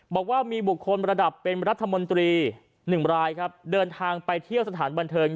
บอกว่ามีบุคคลระดับเป็นรัฐมนตรี๑รายครับเดินทางไปเที่ยวสถานบันเทิง